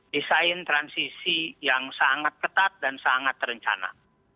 desain transisi yang sangat ketat dan sangat terencana